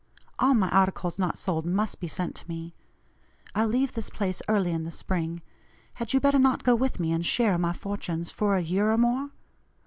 All my articles not sold must be sent to me. I leave this place early in the spring; had you better not go with me and share my fortunes, for a year or more?